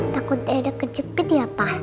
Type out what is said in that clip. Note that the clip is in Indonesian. takut ada kejepit ya pak